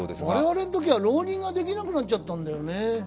我々のときは浪人ができなくなっちゃったんだよね。